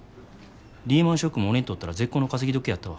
リーマンショックも俺にとったら絶好の稼ぎ時やったわ。